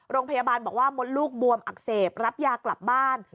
โรงพยาบาลบอกว่ามดลูกบวมอักเสบรับยากลับบ้าน